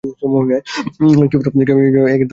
কেউ কেউ তো মুখের ওপর বলে দিয়েছেন, তোমাকে কয়টা সুযোগ দেব?